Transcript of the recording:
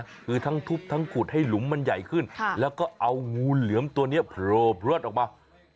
คือทั้งทุบทั้งขุดให้หลุมมันใหญ่ขึ้นแล้วก็เอางูเหลือมตัวนี้โผล่พลวดออกมา